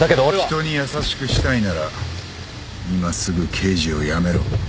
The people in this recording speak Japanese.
人に優しくしたいなら今すぐ刑事を辞めろ。